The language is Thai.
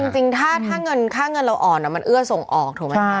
จริงถ้าเงินค่าเงินเราอ่อนมันเอื้อส่งออกถูกไหมคะ